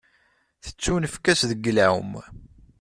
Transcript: Tettunefk-as deg lεum.